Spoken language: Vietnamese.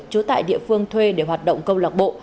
chú tại địa phương thuê để hoạt động công lạc bộ